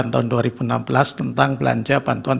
tahun dua ribu enam belas tentang belanja bantuan